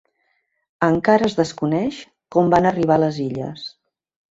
Encara es desconeix com van arribar a les illes.